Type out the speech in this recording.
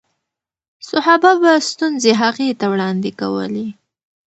صحابه به ستونزې هغې ته وړاندې کولې.